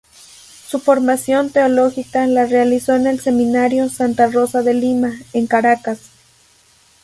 Su formación Teológica la realizó en el Seminario “Santa Rosa de Lima, en Caracas.